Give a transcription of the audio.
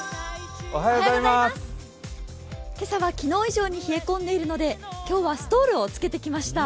今朝は昨日以上に冷え込んでいるので、今日はストールを着けてきました。